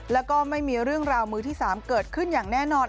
แล้วก็ไม่มีเรื่องราวมือที่๓เกิดขึ้นอย่างแน่นอน